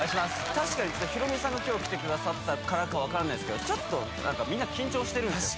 確かにヒロミさんが今日来てくださったからか分からないですけどちょっと何かみんな緊張してるんですよ